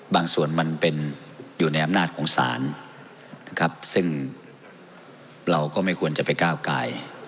บางส่วนมันเป็นอยู่ในอำนาจของศาลนะครับซึ่งเราก็ไม่ควรจะไปก้าวกาย